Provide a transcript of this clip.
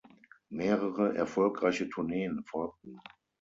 Mehrere erfolgreiche Tourneen folgten.